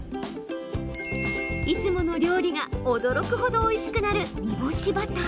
いつもの料理が、驚くほどおいしくなる煮干しバター。